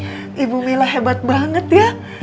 ibu mila hebat banget ya